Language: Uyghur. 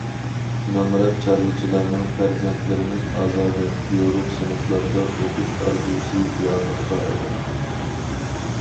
نامرات چارۋىچىلارنىڭ پەرزەنتلىرىنىڭ ئازادە، يورۇق سىنىپلاردا ئوقۇش ئارزۇسى رېئاللىققا ئايلاندى.